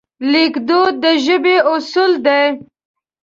لیکدود د ژبې اصول دي.